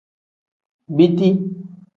Biti.